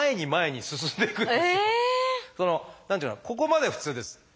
ここまでは普通です。